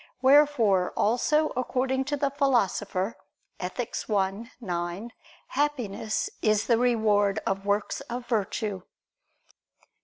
Wherefore also according to the Philosopher (Ethic. i, 9), happiness is the reward of works of virtue.